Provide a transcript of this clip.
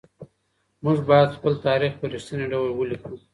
موږ بايد خپل تاريخ په رښتيني ډول ولېکو.